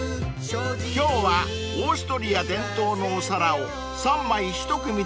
［今日はオーストリア伝統のお皿を３枚一組でお裾分け］